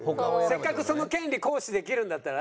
せっかくその権利行使できるんだったらね。